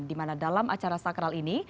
dimana dalam acara sakral ini